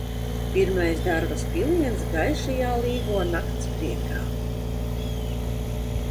Pirmais darvas piliens gaišajā Līgo nakts priekā!